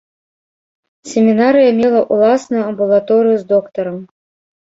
Семінарыя мела ўласную амбулаторыю з доктарам.